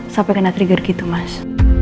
sampai kena trigger gitu mas